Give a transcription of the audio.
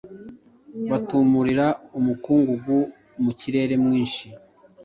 batumurira umukungugu mu kirere mwinshi,